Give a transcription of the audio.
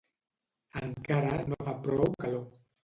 Encara no fa prou calor.